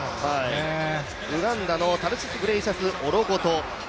ウガンダのタルシスグレイシャス・オロゴト。